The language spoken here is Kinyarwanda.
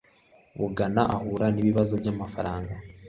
Bugana ahura nibibazo byamafaranga.